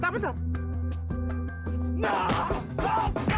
bentar lo ya